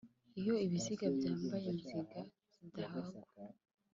iyo ibiziga byambaye inziga zidahagwa